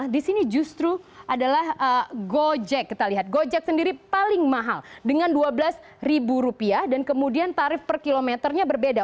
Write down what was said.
di sini justru adalah gojek kita lihat gojek sendiri paling mahal dengan dua belas rupiah dan kemudian tarif per kilometernya berbeda